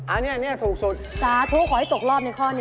อันนี้อันนี้ถูกสุดจ๊ะถูกขอให้ตกรอบในข้อนี้